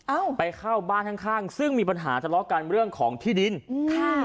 เอ้าไปเข้าบ้านข้างซึ่งมีปัญหาสละกันเรื่องของที่ดินค่ะ